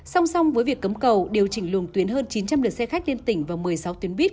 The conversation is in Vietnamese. song song với việc cấm cầu điều chỉnh luồng tuyến hơn chín trăm linh lượt xe khách liên tỉnh và một mươi sáu tuyến buýt